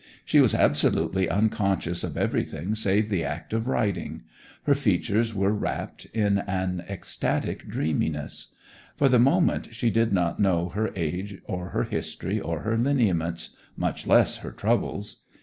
She was absolutely unconscious of everything save the act of riding: her features were rapt in an ecstatic dreaminess; for the moment she did not know her age or her history or her lineaments, much less her troubles.